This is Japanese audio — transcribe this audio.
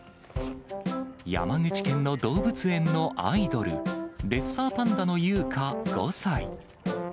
山口県の動物園のアイドル、レッサーパンダの優香５歳。